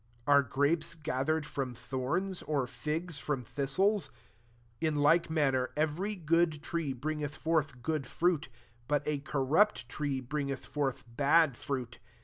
Are grapes gathered from thorns; or figs from thistles? 17 In like manner every good tree bringeth forth good fruit ; but a corrupt tree bringeth forth bad fruit.